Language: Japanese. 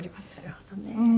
なるほどね。